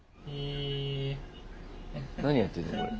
何やってんのこれ。